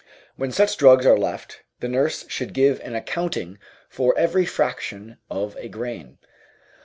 When such drugs are left, the nurse should give an accounting for every fraction of a grain.